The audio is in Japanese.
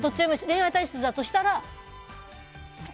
恋愛体質だとしたら。